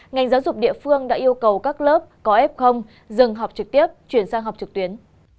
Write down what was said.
ngành giáo dục địa phương đã yêu cầu các lớp có f dừng học trực tiếp chuyển sang học trực tuyến